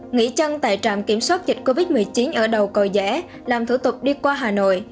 nghỉ chân tại trạm kiểm soát dịch covid một mươi chín ở đầu còi dẻ làm thủ tục đi qua hà nội